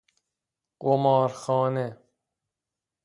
قمار خانه